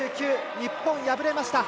日本、敗れました。